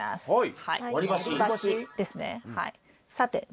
はい。